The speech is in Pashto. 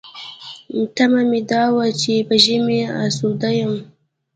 تمه مې دا وه چې په ژمي اسوده یم.